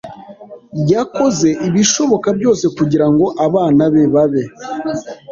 Yakoze ibishoboka byose kugirango abana be babe.